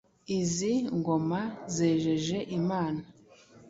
Izi ngoma “zejeje imana”,